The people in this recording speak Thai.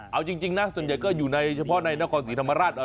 เอาจริงนะส่วนใหญ่ก็อยู่ในเฉพาะในนครศรีธรรมราช